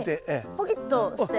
ポキッとして。